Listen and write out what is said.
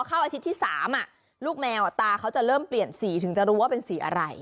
พอเข้าอาทิตย์ที่สามอ่ะลูกแมวอ่ะตาเขาจะเริ่มเปลี่ยนสีถึงจะรู้ว่าเป็นสีอะไร